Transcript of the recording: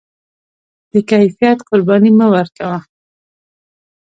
د کیفیت قرباني مه ورکوه.